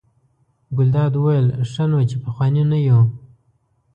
ګلداد وویل: ښه نو چې پخواني نه یو.